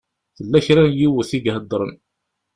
Tella kra n yiwet i iheddṛen.